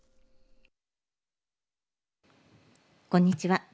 こんにちは。